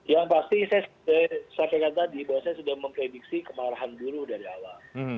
yang pasti saya sampaikan tadi bahwa saya sudah memprediksi kemarahan buruh dari awal